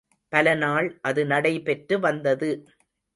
பல நாள் அது நடை பெற்று வந்தது.